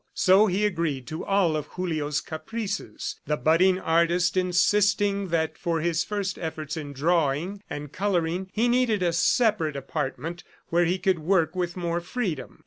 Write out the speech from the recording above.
... So he agreed to all of Julio's caprices, the budding artist insisting that for his first efforts in drawing and coloring, he needed a separate apartment where he could work with more freedom.